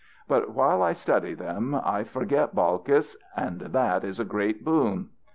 But while I study them I forget Balkis, and that is a great boon."